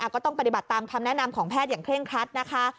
ก็ต้องปฏิบัติตามคำแนะนำของแพทย์อย่างเร่งครัดนะคะ